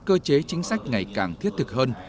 cơ chế chính sách ngày càng thiết thực hơn